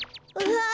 あ。